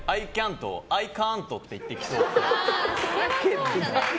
’ｔをアイカントって言ってきそう。